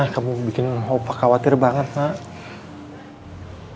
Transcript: kamu bikin opa khawatir banget nak